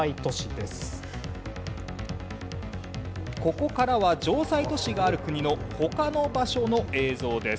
ここからは城塞都市がある国の他の場所の映像です。